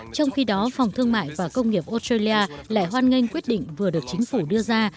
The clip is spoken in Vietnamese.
trong khi đó phòng thương mại và công nghiệp australia lại hoan nghênh quyết định vừa được chính phủ đưa ra